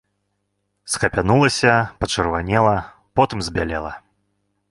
Схапянулася, пачырванела, потым збялела.